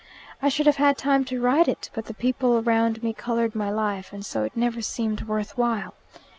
I should have had time to write it, but the people round me coloured my life, and so it never seemed worth while.